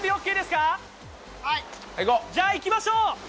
じゃあ、いきましょう。